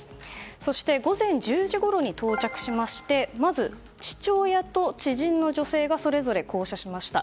そして午前１０時ごろに到着しまして、まず父親と知人の女性がそれぞれ降車しました。